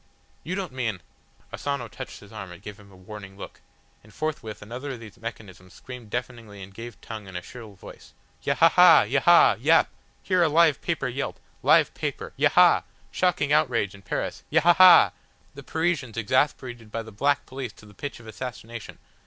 You don't mean " Asano touched his arm and gave him a warning look, and forthwith another of these mechanisms screamed deafeningly and gave tongue in a shrill voice. "Yahaha, Yahah, Yap! Hear a live paper yelp! Live paper. Yaha! Shocking outrage in Paris. Yahahah! The Parisians exasperated by the black police to the pitch of assassination.